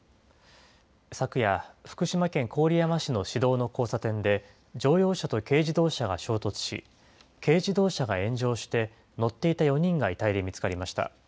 昨夜、福島県郡山市の市道の交差点で、乗用車と軽自動車が衝突し、軽自動車が炎上して乗っていた４人が遺体で見つかりました。